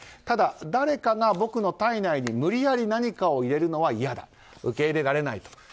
ただ、誰かが僕の体内に無理やり何かを入れるのは嫌だ受け入れられないと。